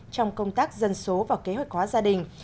trong công tác dân số và kế hoạch hóa gia đình